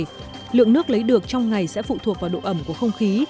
tuy nhiên lượng nước lấy được trong ngày sẽ phụ thuộc vào độ ẩm của không khí